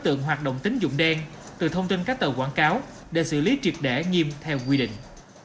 tượng tín dụng đen từ thông tin các tờ quảng cáo để xử lý triệt để nghiêm theo quy định